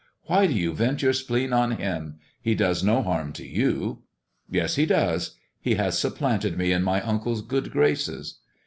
Why do you vent your spleen on him 1 He does no harm to you." "Yes, he does. He has supplanted me in my uncle's good graces.